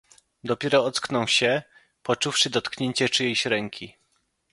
"Dopiero ocknął się, poczuwszy dotknięcie czyjejś ręki."